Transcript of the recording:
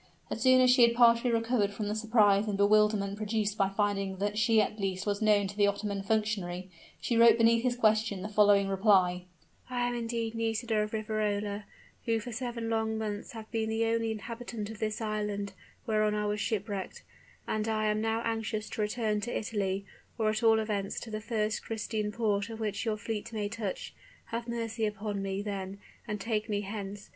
As soon as she had partially recovered from the surprise and bewilderment produced by finding that she at least was known to the Ottoman functionary, she wrote beneath his question the following reply: "I am indeed Nisida of Riverola, who for seven long months have been the only inhabitant of this island, whereon I was shipwrecked, and I am now anxious to return to Italy or at all events to the first Christian port at which your fleet may touch. Have mercy upon me, then; and take me hence!